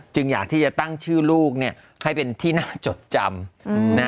อยากที่จะตั้งชื่อลูกให้เป็นที่น่าจดจำ